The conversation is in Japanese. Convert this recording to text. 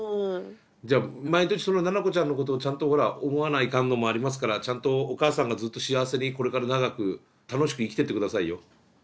毎年そのナナコちゃんのことをちゃんとほら思わないかんのもありますからちゃんとお母さんがずっと幸せにこれから長く楽しく生きてってくださいよ。